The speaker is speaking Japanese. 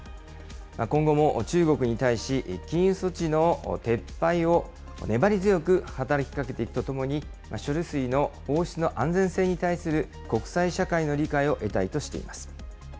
今後も中国に対し、禁輸措置の撤廃を粘り強く働きかけていくとともに、処理水の放出の安全性に対する国際社会の理解を得たいとしています。